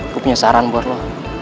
gue punya saran buat lo